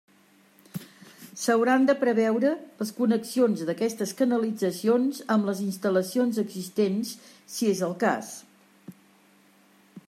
S'hauran de preveure les connexions d'aquestes canalitzacions amb les instal·lacions existents si és el cas.